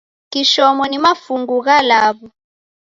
Kishomo ni mafungu gha law'u.